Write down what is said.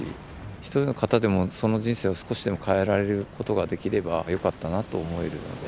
一人の方でもその人生を少しでも変えられることができればよかったなと思えるので。